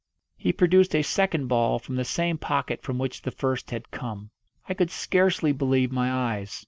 He produced a second ball from the same pocket from which the first had come. I could scarcely believe my eyes.